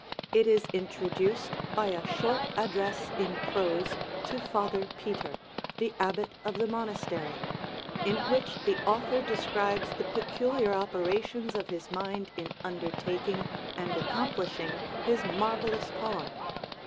It is introduced by a short address in prose to Father Peter, the abbot of the monastery, in which the author describes the peculiar operations of his mind in undertaking and accomplishing his marvelous poem.